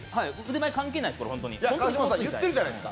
腕前関係ないです。